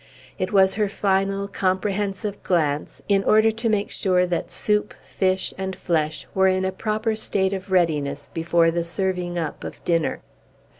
It was her final, comprehensive glance, in order to make sure that soup, fish, and flesh were in a proper state of readiness, before the serving up of dinner.